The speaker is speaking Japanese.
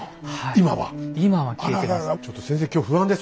今は消えてます。